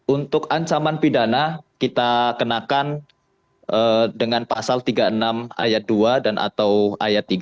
untuk ancaman pidana kita kenakan dengan pasal tiga puluh enam ayat dua dan atau ayat tiga